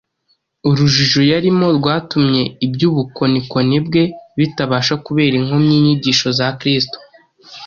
Urujijo yarimo rwatumye iby’ubukonikoni bwe bitabasha kubera inkomyi inyigisho za Kristo.